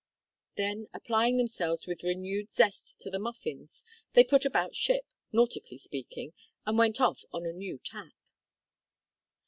Then, applying themselves with renewed zest to the muffins, they put about ship, nautically speaking, and went off on a new tack.